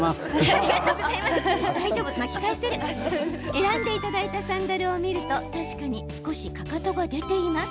選んでいただいたサンダルを見ると確かに少しかかとが出ています。